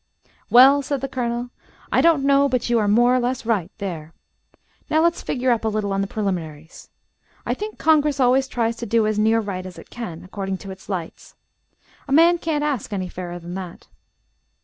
"Well," said the Colonel, "I don't know but you are more or less right, there. Now let's figure up a little on, the preliminaries. I think Congress always tries to do as near right as it can, according to its lights. A man can't ask any fairer than that.